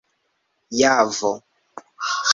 javo